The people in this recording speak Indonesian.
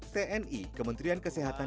tni kementerian kesehatan